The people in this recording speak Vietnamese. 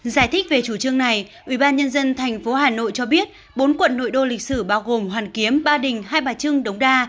giải thích về chủ trương này ủy ban nhân dân thành phố hà nội cho biết bốn quận nội đô lịch sử bao gồm hoàn kiếm ba đình hai bà trưng đống đa